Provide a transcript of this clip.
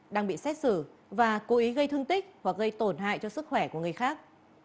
đang bị xét xử và cố ý gây thương tích hoặc gây tổn hại cho sức khỏe của người khác